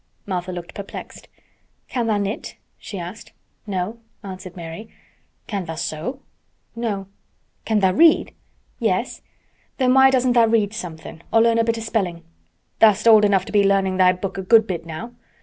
Martha looked perplexed. "Can tha' knit?" she asked. "No," answered Mary. "Can tha' sew?" "No." "Can tha' read?" "Yes." "Then why doesn't tha read somethin', or learn a bit o' spellin'? Tha'st old enough to be learnin' thy book a good bit now."